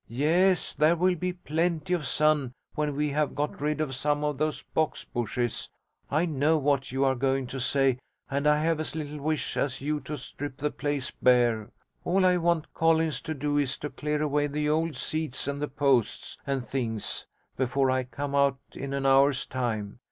Yes, there will be plenty of sun when we have got rid of some of those box bushes. I know what you are going to say, and I have as little wish as you to strip the place bare. All I want Collins to do is to clear away the old seats and the posts and things before I come out in an hour's time.